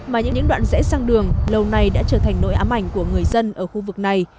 mà những đoạn rẽ sang đường lâu nay đã trở thành nỗi ám ảnh của người dân ở khu vực này